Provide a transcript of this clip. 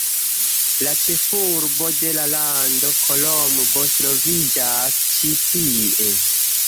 La ĉefurbo de la lando, Kolombo, troviĝas ĉi tie.